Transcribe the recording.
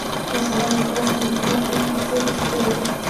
La zona agrícola se limita a la planicie de San Lorenzo.